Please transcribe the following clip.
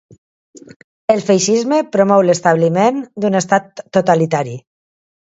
El feixisme promou l'establiment d'un estat totalitari.